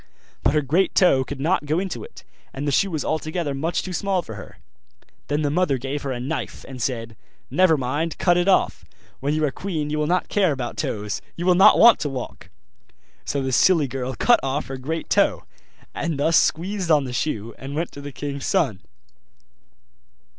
But her great toe could not go into it, and the shoe was altogether much too small for her. Then the mother gave her a knife, and said, 'Never mind, cut it off; when you are queen you will not care about toes; you will not want to walk.' So the silly girl cut off her great toe, and thus squeezed on the shoe, and went to the king's son.